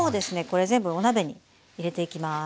これ全部お鍋に入れていきます。